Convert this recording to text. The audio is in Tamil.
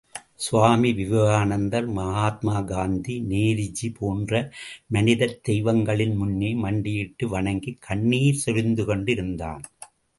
சுவாமி விவேகானந்தர், மகாத்மா காந்தி, நேருஜி போன்ற மனிதத் தெய்வங்களின் முன்னே மண்டியிட்டு வணங்கிக் கண்ணீர் சொரிந்துகொண்டிருந்தான்!